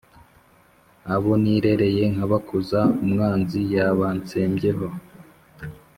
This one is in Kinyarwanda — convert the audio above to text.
Abo nirereye nkabakuza, umwanzi yabantsembyeh